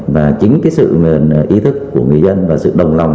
và chính cái sự ý thức của người dân và sự đồng lòng